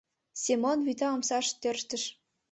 Семон вӱта омсаш тӧрштыш.